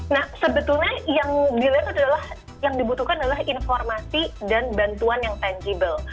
nah sebetulnya yang dilihat adalah yang dibutuhkan adalah informasi dan bantuan yang tangible